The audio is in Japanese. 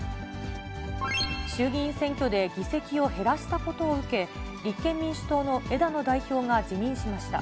衆議院選挙で議席を減らしたことを受け、立憲民主党の枝野代表が辞任しました。